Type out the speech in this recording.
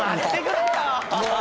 もう。